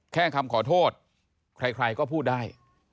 คำขอโทษใครก็พูดได้